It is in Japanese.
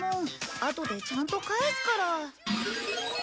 あとでちゃんと返すから。